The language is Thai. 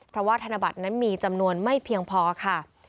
เพราะว่าธนบัตรนั้นมีจำนวนไม่เพียงพอค่ะ